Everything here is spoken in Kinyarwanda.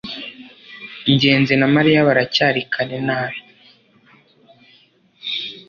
ngenzi na mariya baracyari kare nabi